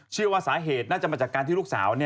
เชื่อว่าสาเหตุน่าจะมาจากการที่ลูกสาว